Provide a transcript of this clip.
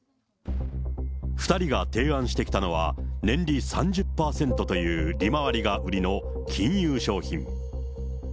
２人が提案してきたのは、年利３０％という利回りが売りの金融商品。